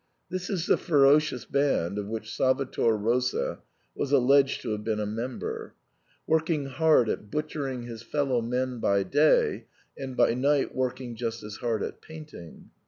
This is the ferocious band of which Salvator Rosa was alleged to have been a member, working hard at butchering his fellow men by day, and by night work ing just as hard at painting.